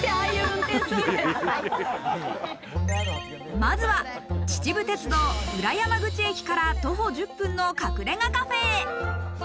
まずは秩父鉄道・浦山口駅から徒歩１０分の隠れ家カフェへ。